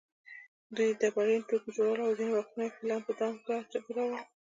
دوی ډبرین توکي جوړول او ځینې وختونه یې فیلان په دام کې ګېرول.